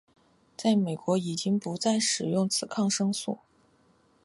在美国已经不再使用此抗生素。